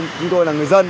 chúng tôi là người dân